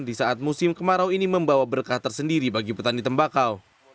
di saat musim kemarau ini membawa berkah tersendiri bagi petani tembakau